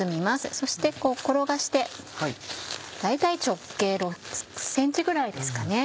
そしてこう転がして大体直径６ｃｍぐらいですかね。